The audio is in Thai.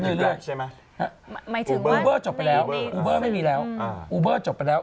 เรื่อยใช่ไหมอูเบอร์จบไปแล้วอูเบอร์ไม่มีแล้วอูเบอร์จบไปแล้ว